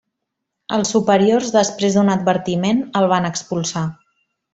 Els superiors, després d'un advertiment, el van expulsar.